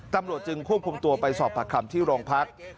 ตำรวจจึงควบคุมตัวไปสอบผักคำที่โรงพัก